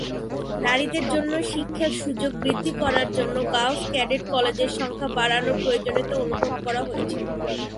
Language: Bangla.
নারীদের জন্য শিক্ষার সুযোগ বৃদ্ধি করার জন্য গার্লস ক্যাডেট কলেজের সংখ্যা বাড়ানোর প্রয়োজনীয়তা অনুভব করা হয়েছিল।